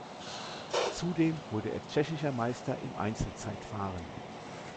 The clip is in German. Zudem wurde er tschechischer Meister im Einzelzeitfahren.